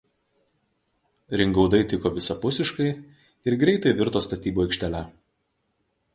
Ringaudai tiko visapusiškai ir greitai virto statybų aikštele.